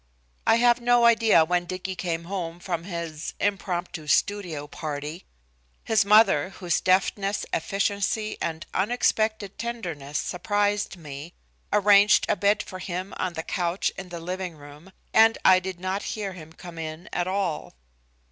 I have no idea when Dicky came home from his "impromptu studio party." His mother, whose deftness, efficiency and unexpected tenderness surprised me, arranged a bed for him on the couch in the living room, and I did not hear him come in at all.